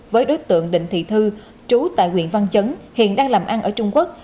cơ quan an ninh điều tra tỉnh thị thư trú tại huyện văn chấn hiện đang làm ăn ở trung quốc